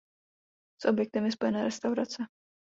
S objektem je spojena restaurace.